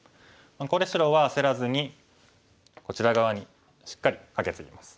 ここで白は焦らずにこちら側にしっかりカケツギます。